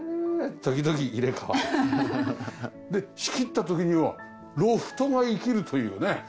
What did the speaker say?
時々入れ替わる。で仕切った時にはロフトが生きるというね。